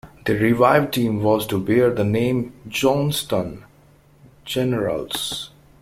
The revived team was to bear the name Johnstown Generals.